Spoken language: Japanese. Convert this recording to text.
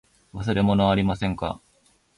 忘れ物はありませんか。